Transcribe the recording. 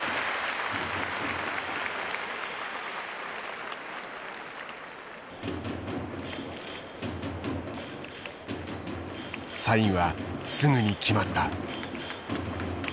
サインはすぐに決まった。